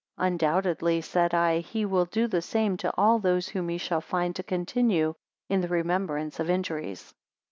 Undoubtedly, said I, he will do the same to all those whom he shall find to continue in the remembrance of injuries.